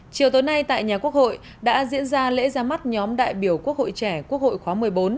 chiều tối nay tại nhà quốc hội đã diễn ra lễ ra mắt nhóm đại biểu quốc hội trẻ quốc hội khóa một mươi bốn